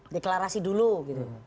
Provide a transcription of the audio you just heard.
deklarasi dulu gitu